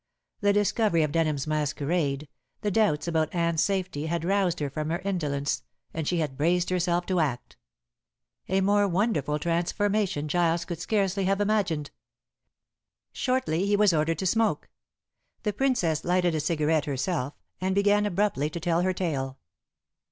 The discovery of Denham's masquerade, the doubts about Anne's safety had roused her from her indolence, and she had braced herself to act. A more wonderful transformation Giles could scarcely have imagined. Shortly he was ordered to smoke. The Princess lighted a cigarette herself, and began abruptly to tell her tale.